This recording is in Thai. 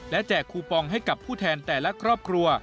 และแจกคูปองให้กับผู้แทนแต่ละครอบครัว